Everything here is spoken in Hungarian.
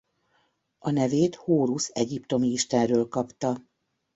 A nevét Hórusz egyiptomi istenről kapta.